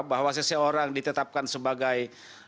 bahwa seseorang ditetapkan sebagai